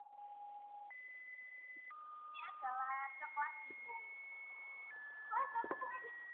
This usually results in unpredictable outcomes and may skew the outcome of rating systems.